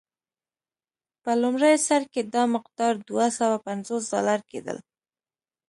په لومړي سر کې دا مقدار دوه سوه پنځوس ډالر کېدل.